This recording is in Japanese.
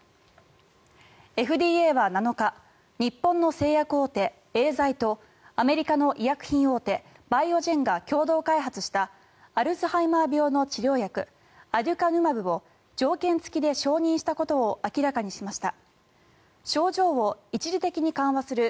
ＦＤＡは７日日本の製薬大手エーザイとアメリカの医薬品大手バイオジェンが共同開発したアルツハイマー病の治療薬アデュカヌマブを条件付きで承認したことを明らかにしました。